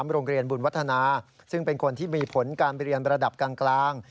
โรงเรียนบุญวัฒนาซึ่งเป็นคนที่มีผลการเรียนระดับกลาง